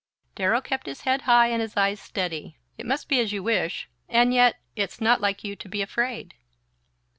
Darrow kept his head high and his eyes steady. "It must be as you wish; and yet it's not like you to be afraid."